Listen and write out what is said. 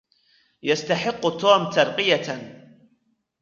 يستحق توم ترقيةً.